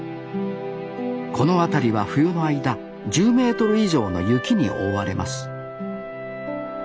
この辺りは冬の間１０メートル以上の雪に覆われます